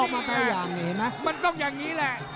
มันต้องอย่างงี้แหละ